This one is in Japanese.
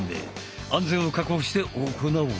安全を確保して行おう。